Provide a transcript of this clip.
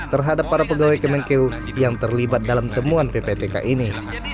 terhadap para pegawai kemenkeu yang terlibat dalam temuan pptk ini